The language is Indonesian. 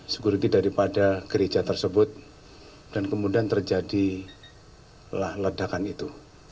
sekurugi daripada gereja tersebut dan kemudian terjadilah ledakan itu